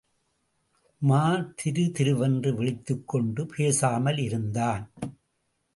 உமார் திரு திருவென்று விழித்துக் கொண்டு பேசாமல் இருந்தான்.